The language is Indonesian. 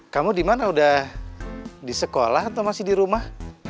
kamu dimana udah di sekolah atau masih di rumah